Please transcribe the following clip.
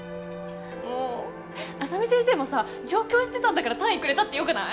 もう浅海先生もさ状況を知ってたんだから単位くれたって良くない？